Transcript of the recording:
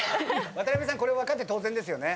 渡邊さん分かって当然ですよね？